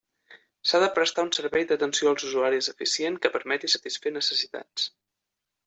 S'ha de prestar un servei d'atenció als usuaris eficient que permeti satisfer necessitats.